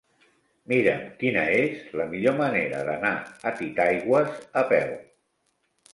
Mira'm quina és la millor manera d'anar a Titaigües a peu.